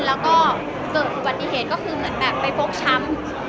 มีก็เจอปฏิเหตุที่มันแบบไปเป้าะช้ำ